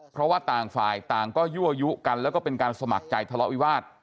เพราะว่าต่างฝ่ายต่างก็ยั่วยุกันแล้วก็เป็นการสมัครใจทะเลาะวิวาส